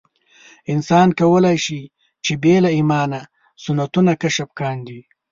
انسان کولای شي چې بې له ایمانه سنتونه کشف کاندي.